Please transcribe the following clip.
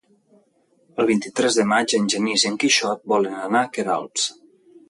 El vint-i-tres de maig en Genís i en Quixot volen anar a Queralbs.